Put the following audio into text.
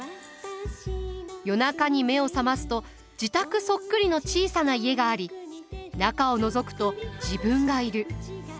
夜中に目を覚ますと自宅そっくりの小さな家があり中をのぞくと自分がいる。